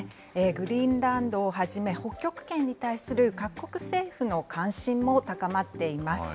グリーンランドをはじめ、北極圏に対する各国政府の関心も高まっています。